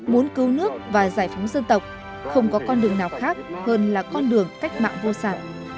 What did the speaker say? muốn cứu nước và giải phóng dân tộc không có con đường nào khác hơn là con đường cách mạng vô sản